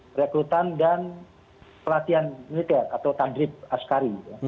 perekrutan dan pelatihan militer atau tandrip askari